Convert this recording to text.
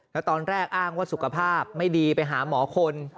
แล้วตอนแรกอ้างว่าสุขภาพไม่ดีไปหาหมอคน